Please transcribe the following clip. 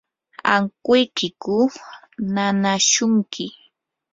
¿ankuykiku nanaashunki?